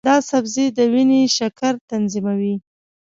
دا سبزی د وینې شکر تنظیموي.